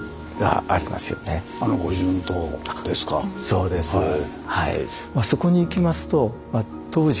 そうですはい。